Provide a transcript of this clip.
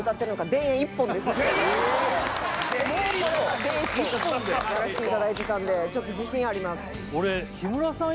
田園一本一本でやらしていただいてたんでちょっと自信あります